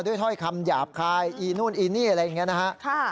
ถ้อยคำหยาบคายอีนู่นอีนี่อะไรอย่างนี้นะฮะ